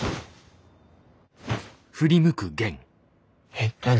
えっ何？